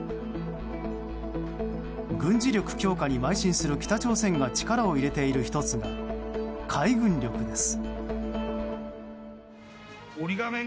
軍事力強化にまい進する北朝鮮が力を入れている１つが海軍力です。